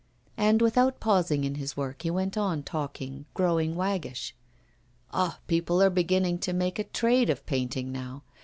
And, without pausing in his work, he went on talking, growing waggish. 'Ah! people are beginning to make a trade of painting now.